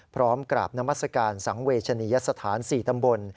พร้อมกราบนามัศกาลสังเวชนียสถาน๔ตำบล